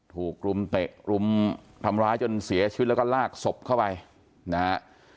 ถูกรุมเตะรุมทำร้ายจนเสียชีวิตแล้วก็ลากศพเข้าไปนะฮะ